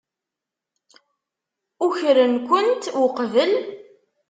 Ukren-kent uqbel?